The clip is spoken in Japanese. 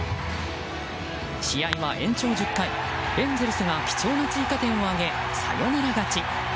試合は延長１０回エンゼルスが貴重な追加点を挙げサヨナラ勝ち。